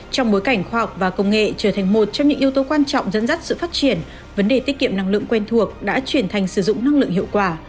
trong bối cảnh khoa học và công nghệ trở thành một trong những yếu tố quan trọng dẫn dắt sự phát triển vấn đề tiết kiệm năng lượng quen thuộc đã chuyển thành sử dụng năng lượng hiệu quả